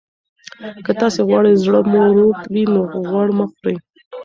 که تاسي غواړئ زړه مو روغ وي، نو غوړ مه خورئ.